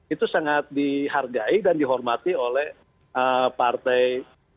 itu sangat dihargai dan dihormati oleh partai